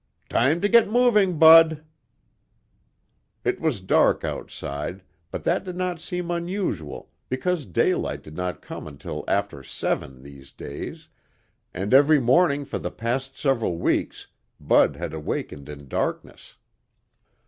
"Time to get moving, Bud." It was dark outside, but that did not seem unusual because daylight did not come until after seven these days, and every morning for the past several weeks Bud had awakened in darkness.